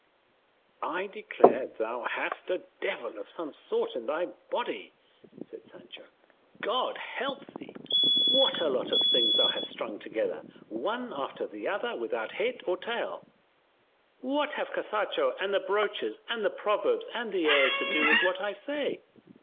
"I declare thou hast a devil of some sort in thy body!" said Sancho. "God help thee, what a lot of things thou hast strung together, one after the other, without head or tail! What have Cascajo, and the broaches and the proverbs and the airs, to do with what I say?